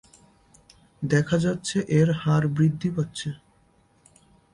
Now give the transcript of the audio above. দেখা যাচ্ছে এর হার বৃদ্ধি পাচ্ছে।